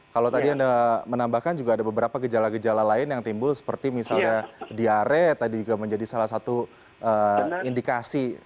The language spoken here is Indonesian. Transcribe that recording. kalau tadi anda menambahkan juga ada beberapa gejala gejala lain yang timbul seperti misalnya diare tadi juga menjadi salah satu indikasi